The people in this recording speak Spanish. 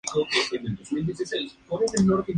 George Clapp Vaillant nació en Boston, Massachusetts.